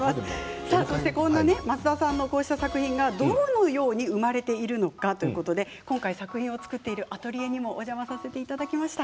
増田さんのこうした作品がどのように生まれているのか今回作品を作っているアトリエにもお邪魔させていただきました。